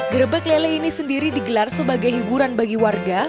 gerebek lele ini sendiri digelar sebagai hiburan bagi warga